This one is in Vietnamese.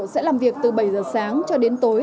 sẽ làm việc từ bảy giờ sáng cho đến tối